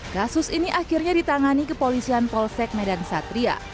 kasus ini akhirnya ditangani kepolisian polsek medan satria